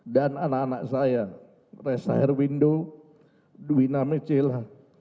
dan anak anak saya resahir windu duwina mecila